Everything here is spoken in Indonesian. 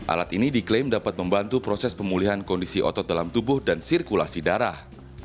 alat ini diklaim dapat membantu proses pemulihan kondisi otot dalam tubuh dan sirkulasi darah